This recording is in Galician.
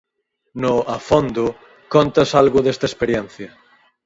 No "A Fondo" contas algo desta experiencia.